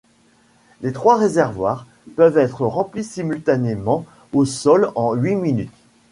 Les trois réservoirs peuvent être remplis simultanément au sol en huit minutes.